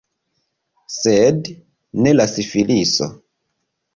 Sed ne la sifiliso.